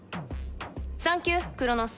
サンキュー、クロノス。